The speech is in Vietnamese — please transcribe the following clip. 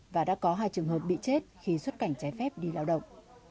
và đã có hai trường hợp bị chết khi xuất cảnh trái phép đi lao động